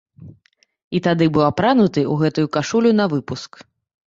І тады быў апрануты ў гэтую кашулю навыпуск.